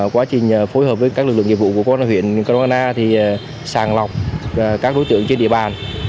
quá trình phối hợp với các lực lượng nghiệp vụ của công an huyện cơ đông an na sàng lọc các đối tượng trên địa bàn